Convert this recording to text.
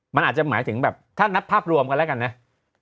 มันอาจจะหมายถึงแบบถ้านับภาพรวมกันแล้วกันนะ